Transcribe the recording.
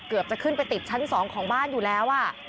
เกือบจะขึ้นไปติดชั้น๒ของบ้านอยู่แล้ว